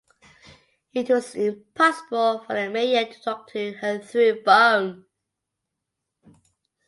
It was impossible for the media to talk to her through phone.